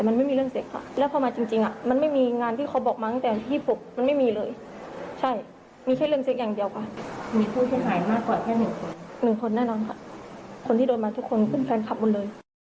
หนึ่งคนแน่นอนค่ะคนที่โดนมาทุกคนคุณแฟนคลับหมดเลย